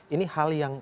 ini hal yang